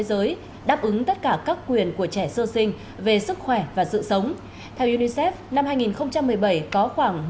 giới đáp ứng tất cả các quyền của trẻ sơ sinh về sức khỏe và sự sống theo unicef năm hai nghìn một mươi bảy có khoảng